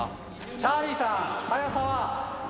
チャーリーさん速さは？